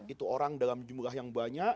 itu orang dalam jumlah yang banyak